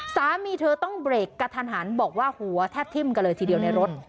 สามีเธอต้องเบรกกระทันหันบอกว่าหัวแทบทิ้มกันเลยทีเดียวในรถ